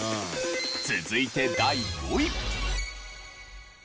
続いて第５位。